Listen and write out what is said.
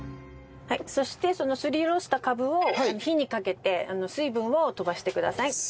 そしてそのすりおろしたカブを火にかけて水分を飛ばしてください。